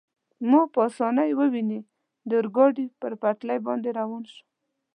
مو په اسانۍ وویني، د اورګاډي پر پټلۍ باندې روان شو.